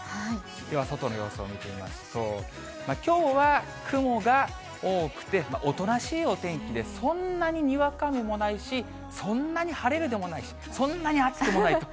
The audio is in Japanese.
では外の様子を見てみますと、きょうは雲が多くて、おとなしいお天気で、そんなににわか雨もないし、そんなに晴れるでもないし、そんなに暑くもないと。